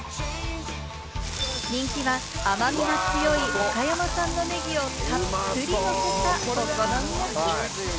人気は甘みが強い岡山産のネギをたっぷりのせたお好み焼き。